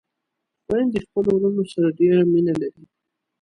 خويندې خپلو وروڼو سره ډېره مينه لري